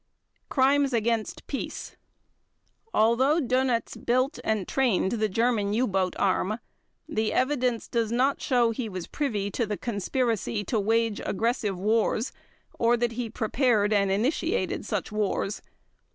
Crimes against Peace Although Dönitz built and trained the German U boat arm, the evidence does not show he was privy to the conspiracy to wage aggressive wars or that he prepared and initiated such wars.